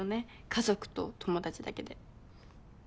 家族と友達だけで。